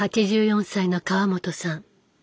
８４歳の川本さん。